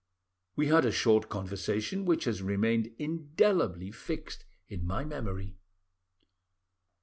We had a short conversation, which has remained indelibly fixed in my memory.